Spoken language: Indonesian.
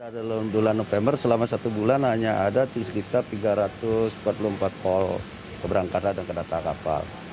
dalam bulan november selama satu bulan hanya ada sekitar tiga ratus empat puluh empat pol keberangkatan dan kedata kapal